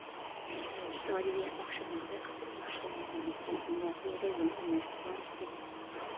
ئىتالىيە ئاخشام ھەقىقەتەن ياخشى ئوينىدى، لېكىن مۇداپىئەدە يەنىلا مەسىلە بار ئىكەن.